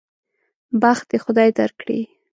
بخت دې خدای درکړي.